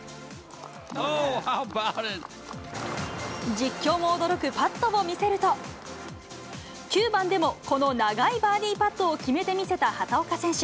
実況も驚くパットを見せると、９番でも、この長いバーディーパットを決めて見せた畑岡選手。